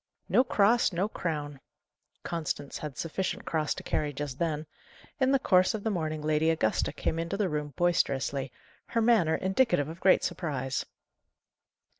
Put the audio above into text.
"No cross, no crown!" Constance had sufficient cross to carry just then. In the course of the morning Lady Augusta came into the room boisterously, her manner indicative of great surprise.